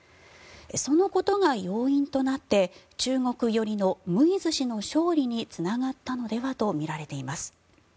そのことが要因となって中国寄りのムイズ氏の勝利につながったのではとみられています。